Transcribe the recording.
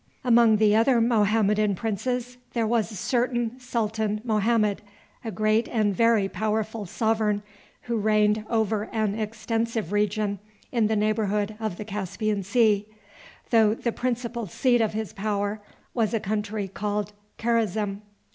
Among the other Mohammedan princes there was a certain Sultan Mohammed, a great and very powerful sovereign, who reigned over an extensive region in the neighborhood of the Caspian Sea, though the principal seat of his power was a country called Karazm.